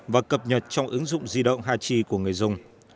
và cập nhật trong ứng dụng di động hachi của người dùng